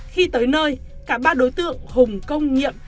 khi tới nơi cả ba đối tượng hùng công nhiệm